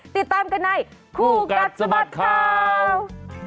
ติดตามกันในคู่กัดสะบัดข่าว